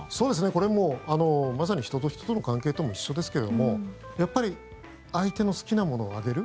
これはまさに人の人との関係とも一緒ですけどやっぱり相手の好きなものをあげる。